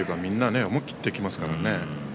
思い切っていきますからね。